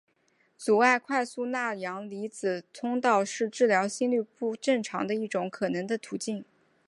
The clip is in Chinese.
阻碍快速钠阳离子通道是治疗心律不正常的一种可能的途径。